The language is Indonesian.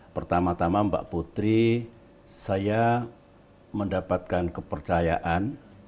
pertama tama mbak putri saya mendapatkan kepercayaan